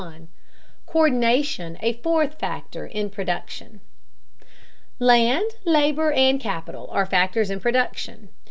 COÍRDINATION A FOURTH FACTOR IN PRODUCTION. Land, labor, and capital are factors in production.